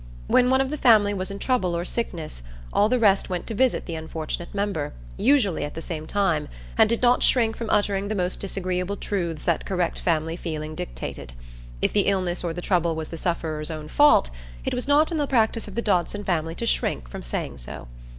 When one of the family was in trouble or sickness, all the rest went to visit the unfortunate member, usually at the same time, and did not shrink from uttering the most disagreeable truths that correct family feeling dictated; if the illness or trouble was the sufferer's own fault, it was not in the practice of the Dodson family to shrink from saying so.